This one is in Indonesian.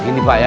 eh gini pak ya